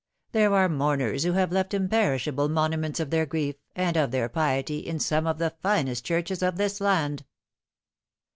" There are mourners who have left imperishable monuments of their grief, and of their piety, in some of the finest churches of this land."